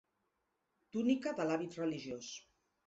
Túnica de l'hàbit religiós.